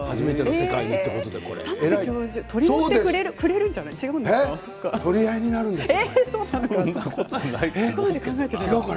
田邊教授取り持ってくれるんじゃないですか。